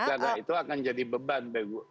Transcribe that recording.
karena itu akan jadi beban